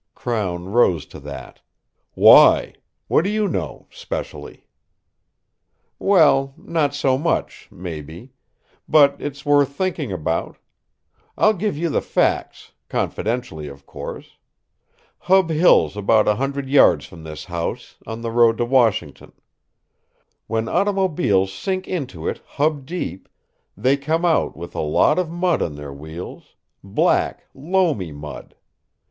Crown rose to that. "Why? What do you know specially?" "Well, not so much, maybe. But it's worth thinking about. I'll give you the facts confidentially, of course. Hub Hill's about a hundred yards from this house, on the road to Washington. When automobiles sink into it hub deep, they come out with a lot of mud on their wheels black, loamy mud.